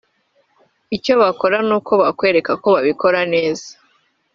Icyo bakora ni uko bakwereka ko babikora neza